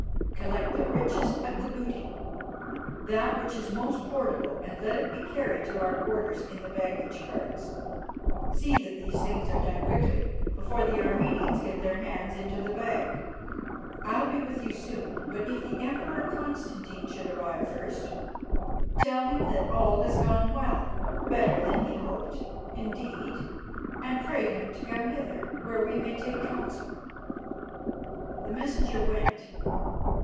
Collect the richest of the booty, that which is most portable, and let it be carried to our quarters in the baggage carts. See that these things are done quickly, before the Armenians get their hands into the bag. I'll be with you soon; but if the Emperor Constantine should arrive first, tell him that all has gone well, better than he hoped, indeed, and pray him to come hither, where we may take counsel." The messenger went.